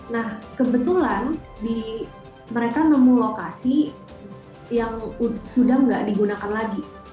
nah kebetulan mereka nemu lokasi yang sudah tidak digunakan lagi